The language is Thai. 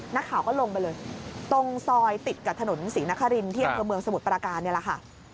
นักข่าวก็ลงไปเลยตรงซอยติดกับถนนศรีนครินที่อำเภอเมืองสมุทรปราการนี่แหละค่ะ